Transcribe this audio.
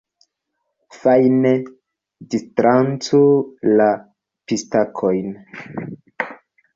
Fajne distranĉu la pistakojn.